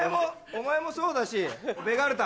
お前もそうだしベガルタ。